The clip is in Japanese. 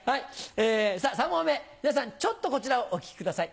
さぁ３問目皆さんちょっとこちらをお聴きください。